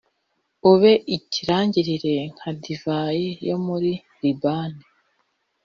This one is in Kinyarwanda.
ube ikirangirire nka divayi yo muri Libani.